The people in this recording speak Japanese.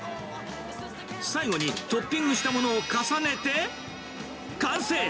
最後にトッピングしたものを重ねて、完成。